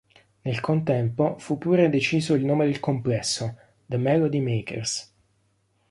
Nel contempo fu pure deciso il nome del complesso: "The Melody Makers".